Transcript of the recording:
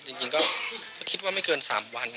จริงก็คิดว่าไม่เกิน๓วัน